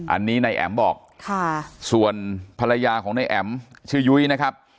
อันนี้นายแอ๋มบอกส่วนภรรยาของนายแอ๋มชื่อยุ้ยนะครับ